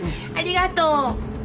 ありがとう。